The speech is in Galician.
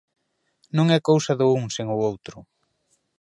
Non é cousa do un sen o outro.